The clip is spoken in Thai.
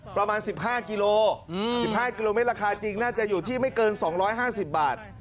ประมาณ๑๕กิโล๑๕กิโลเมตรราคาจริงน่าจะอยู่ที่ไม่เกิน๒๕๐บาท